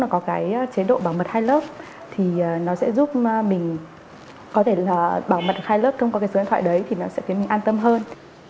cái chế độ bảo mật hai lớp thì nó sẽ giúp mình có thể là bảo mật hai lớp không có cái số điện thoại đấy thì nó sẽ khiến mình an tâm hơn